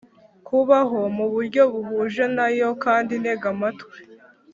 Kubaho mu buryo buhuje na yo kandi ntega amatwi